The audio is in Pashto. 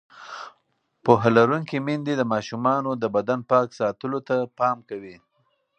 پوهه لرونکې میندې د ماشومانو د بدن پاک ساتلو ته پام کوي.